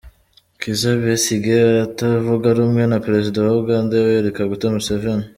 Kizza Besigye utavuga rumwe na Perezida wa Uganda Yoweli Kaguta Museveni.